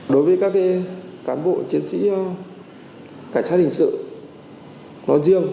đối với các cán bộ chiến sĩ cảnh sát hình sự nói riêng